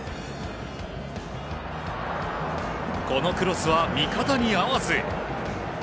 このクロスは味方に合わず。